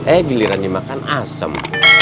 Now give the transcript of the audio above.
eh giliran dimakan asem